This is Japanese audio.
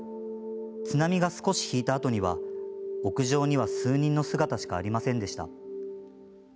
津波が少し引いたあとには屋上には数人の姿しかありませんでした。